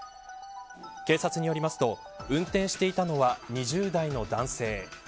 警察によりますと運転していたのは２０代の男性。